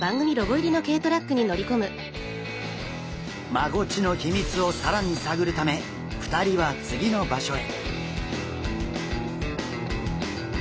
マゴチの秘密を更に探るため２人は次の場所へ。